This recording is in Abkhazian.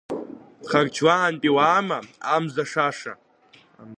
Харчлаантәи уаама, амза шаша?